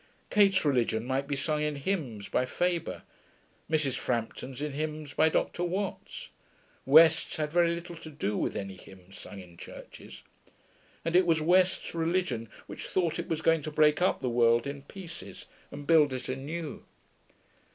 Kate's religion might be sung in hymns by Faber; Mrs. Frampton's in hymns by Dr. Watts; West's had very little to do with any hymns sung in churches. And it was West's religion which thought it was going to break up the world in pieces and build it anew.